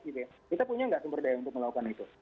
kita punya nggak sumber daya untuk melakukan itu